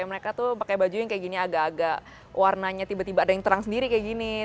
mereka tuh pakai baju yang kayak gini agak agak warnanya tiba tiba ada yang terang sendiri kayak gini